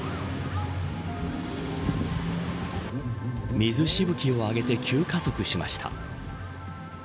水しぶきを上げて急加速しました。